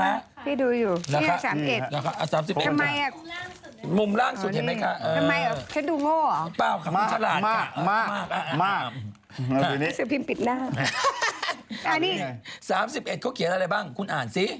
อ้าวนี่ไงสามสิบเอ็ดเขาเขียนอะไรบ้างคุณอ่านสิ